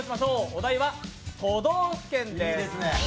お題は都道府県です。